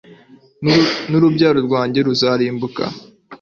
n'urubyaro rwanjye ruzarimbuke